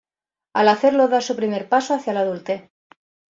Al hacerlo, da su primer paso hacia la adultez.